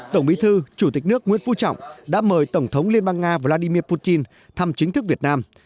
tổng bí thư chủ tịch nước nguyễn phú trọng đã mời tổng thống liên bang nga vladimir putin thăm chính thức việt nam